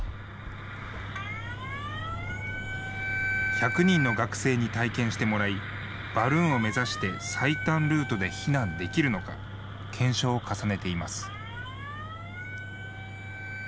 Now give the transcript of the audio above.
１００人の学生に体験してもらい、バルーンを目指して最短ルートで避難できるのか、検証を重ねています。